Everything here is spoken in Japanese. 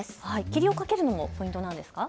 霧をかけるのもポイントですか。